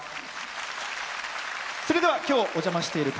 それでは今日お邪魔しております